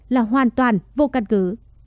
là hoàn toàn vô căn cứ